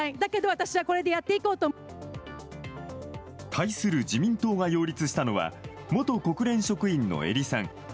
対する自民党が擁立したのは元国連職員の英利さん。